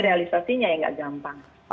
realisasinya yang tidak gampang